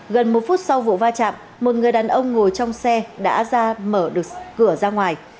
gần một phút sau vụ va chạm một người đàn ông ngồi trong xe đã ra mở được cửa ra ngoài